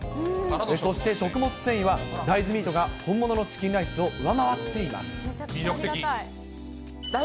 そして食物繊維は、大豆ミートが本物のチキンライスを上回っていめちゃくちゃありがたい。